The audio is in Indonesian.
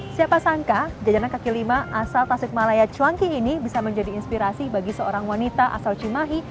siapa sangka jajanan kaki lima asal tasik malaya cuangki ini bisa menjadi inspirasi bagi seorang wanita asal cimahi